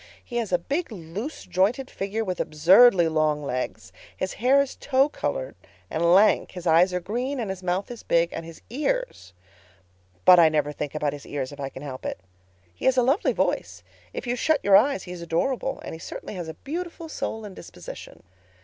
He has a big, loose jointed figure with absurdly long legs. His hair is tow color and lank, his eyes are green, and his mouth is big, and his ears—but I never think about his ears if I can help it. "He has a lovely voice—if you shut your eyes he is adorable—and he certainly has a beautiful soul and disposition.